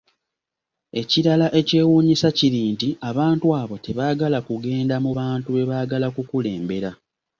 Ekirala ekyewuunyisa kiri nti abantu abo tebagala kugenda mu bantu bebaagala okukulembera.